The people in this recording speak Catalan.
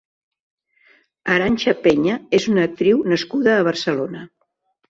Arantxa Peña és una actriu nascuda a Barcelona.